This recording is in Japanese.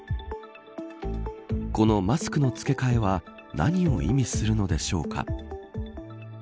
このマスクの付け替えは何を意味するのでしょうか。